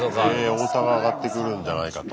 オオタが上がってくるんじゃないかと。